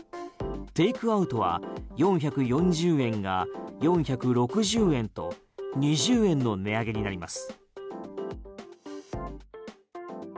テイクアウトは４４０円が４６０円と２０円の値上げになります。